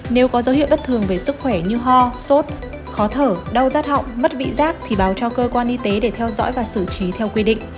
nếu có dấu hiệu bất thường về sức khỏe như ho sốt khó thở đau rát họng mất vị giác thì báo cho cơ quan y tế để theo dõi và xử trí theo quy định